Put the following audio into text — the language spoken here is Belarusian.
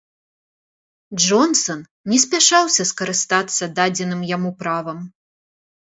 Джонсан не спяшаўся скарыстацца дадзеным яму правам.